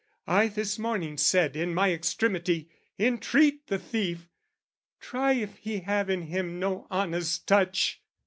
I this morning said "In my extremity, entreat the thief! "Try if he have in him no honest touch!